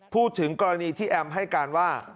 พูดถึงกรณีที่แอมให้การว่า